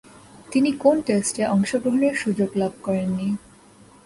তিনি কোন টেস্টে অংশগ্রহণের সুযোগ লাভ করেননি।